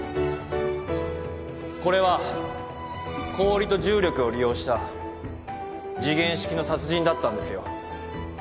これは氷と重力を利用した時限式の殺人だったんですよ。